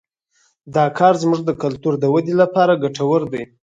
دا کار زموږ د کلتوري ودې لپاره ګټور دی